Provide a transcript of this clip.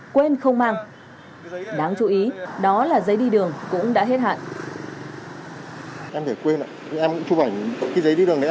quên không mang đáng chú ý đó là giấy đi đường cũng đã hết hạn